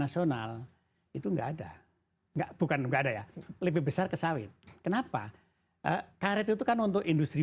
nasional itu nggak ada ya lebih besar ke sawit kenapa karena itu kan untuk industri